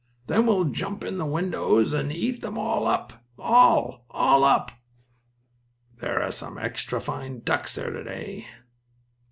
Then we'll jump in the windows and eat them all up all up up! There are some extra fine ducks there to day."